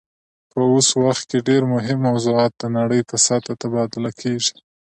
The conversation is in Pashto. په اوس وخت کې ډیر مهم موضوعات د نړۍ په سطحه تبادله کیږي